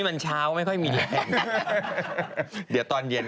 ไม่ใช่เขาก็ต้องบอกให้เขานิ่ง